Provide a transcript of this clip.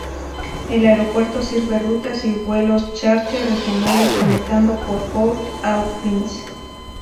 El aeropuerto sirve rutas y vuelos chárter regionales conectando con Port-au-Prince.